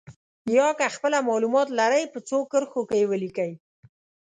یا که خپله معلومات لرئ په څو کرښو کې یې ولیکئ.